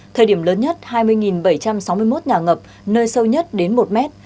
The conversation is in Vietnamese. thời điểm lớn nhất hai mươi bảy trăm sáu mươi một nhà ngập nơi sâu nhất đến một mét